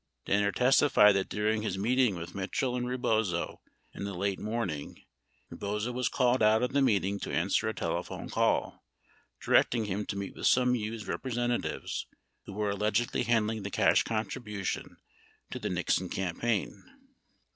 Danner testified that during his meeting with Mit chell and Rebozo in the late morning, Rebozo was called out of the meet ing to answer a telephone call directing him to meet with some Hughes representatives who were allegedly handling the cash contribution to the Nixon campaign.